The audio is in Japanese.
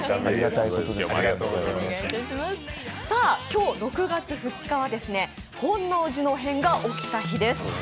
今日６月２日は本能寺の変が起きた日です。